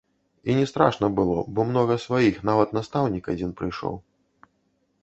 І не страшна было, бо многа сваіх, нават настаўнік адзін прыйшоў.